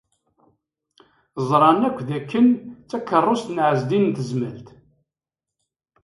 Ẓran akk d akken d takeṛṛust n Ɛezdin n Tezmalt.